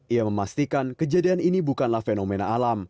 ia memastikan kejadian ini bukanlah fenomena alam